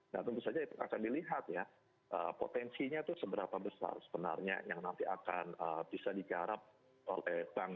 nah tentu saja itu akan dilihat ya potensinya itu seberapa besar sebenarnya yang nanti akan bisa digarap oleh bank